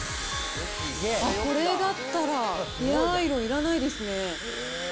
あっ、これだったらヘアアイロンいらないですね。